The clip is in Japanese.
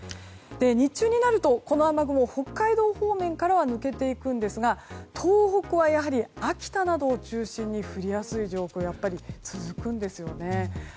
日中になると、この雨雲は北海道方面からは抜けていきますが東北はやはり秋田などを中心に降りやすい状況がやっぱり続くんですね。